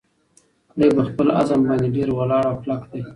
دی په خپل عزم باندې ډېر ولاړ او کلک دی.